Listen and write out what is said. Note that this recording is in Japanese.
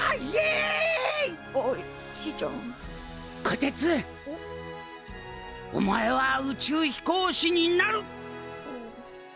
こてつお前は宇宙飛行士になる！